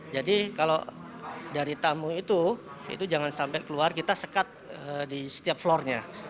jadi kalau dari tamu itu itu jangan sampai keluar kita sekat di setiap floornya